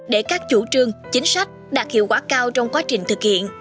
để các chủ trương chính sách đạt hiệu quả cao trong quá trình thực hiện